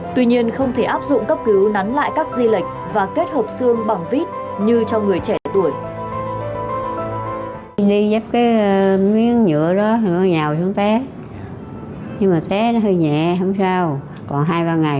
tuy nhiên không thể áp dụng cấp cứu nắn lại các di lệch và kết hợp xương bằng vít như cho người trẻ tuổi